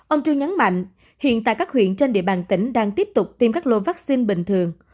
ông trương nhấn mạnh hiện tại các huyện trên địa bàn tỉnh đang tiếp tục tiêm các lô vaccine bình thường